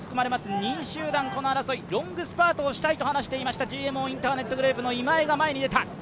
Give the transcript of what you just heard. ２位集団の争い、ロングスパートをしたいと話していたＧＭＯインターネットグループの今江が前に出た。